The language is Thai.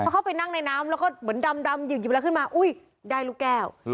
เข้าไปนั่งในน้ำแล้วก็เหมือนดำหยิบอะไรขึ้นมาอุ้ยได้ลูกแก้ว